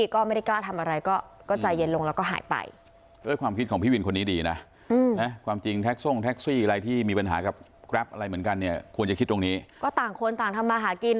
ก็ต่างคนต่างทำมาหากิน